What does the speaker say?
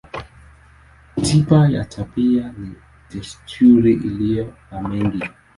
Tiba ya tabia ni desturi iliyo na mengi.